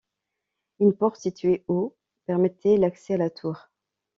Une porte située au permettait l'accès à la tour.